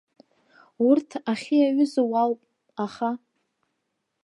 Урҭ ахьы иаҩызоу уаауп, аха.